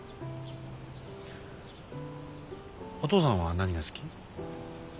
お父さんは何が好き？